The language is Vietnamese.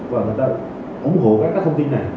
và người ta ủng hộ các thông tin này